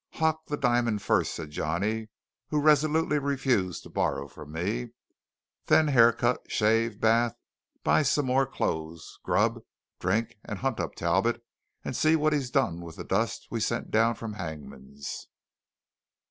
"Hock the diamond first," said Johnny, who resolutely refused to borrow from me; "then hair cut, shave, bath, buy some more clothes, grub, drink, and hunt up Talbot and see what he's done with the dust we sent down from Hangman's."